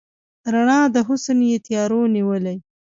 رڼا د حسن یې تیارو نیولې